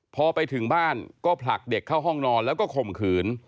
พอไปถึงบ้านก็ผลักเด็กเข้าห้องนอนแล้วก็ข่มขืน